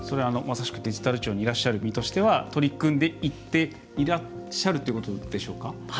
まさしくデジタル庁にいらっしゃる身としては取り組んでいらっしゃるということでしょうか？